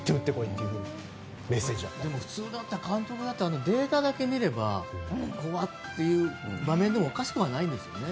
普通だったら監督だったら、データだけ見ればここはっていう場面でもおかしくないですよね。